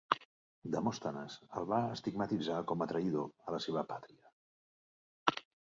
Demòstenes el va estigmatitzar com a traïdor a la seva pàtria.